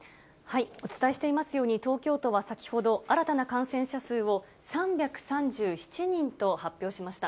お伝えしていますように、東京都は先ほど、新たな感染者数を３３７人と発表しました。